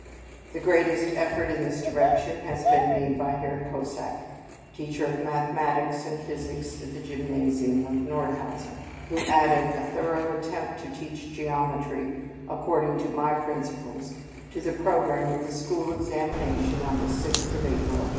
The greatest effort in this direction has been made by Herr Kosack, teacher of mathematics and physics in the Gymnasium at Nordhausen, who added a thorough attempt to teach geometry according to my principles to the programme of the school examination on the 6th of April 1852.